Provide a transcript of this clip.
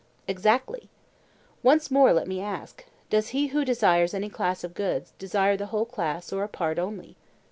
Exactly. Once more let me ask: Does he who desires any class of goods, desire the whole class or a part only?